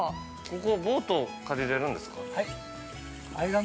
◆ここ、ボート借りれるんですか。